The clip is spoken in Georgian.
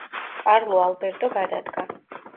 კარლო ალბერტო გადადგა.